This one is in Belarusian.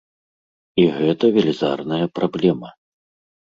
І гэта велізарная праблема.